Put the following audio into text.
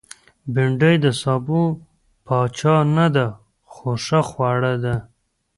بېنډۍ د سابو پاچا نه ده، خو ښه خوړه ده